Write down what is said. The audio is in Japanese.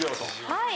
はい。